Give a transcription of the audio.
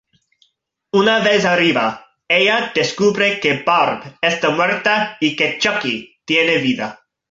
Una vez arriba, ella descubre que Barb está muerta y que Chucky tiene vida.